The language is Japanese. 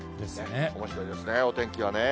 おもしろいですね、お天気はね。